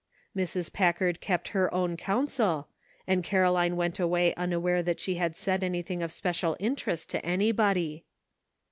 Mrs. Packard kept her own counsel, and Caroline went away unaware that she had said anything of special interest to anybody.